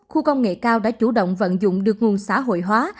khu công nghệ cao đã chủ động vận dụng được nguồn xã hội hóa